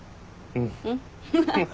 うん。